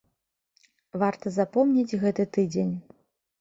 Варта запомніць гэты тыдзень.